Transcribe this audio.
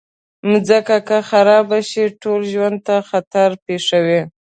مځکه که خراب شي، ټول ژوند ته خطر پېښوي.